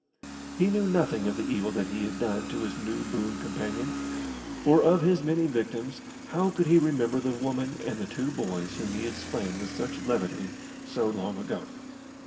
He knew nothing of the evil that he had done to his new boon companion, for of his many victims how could he remember the woman and the two boys whom he had slain with such levity so long ago!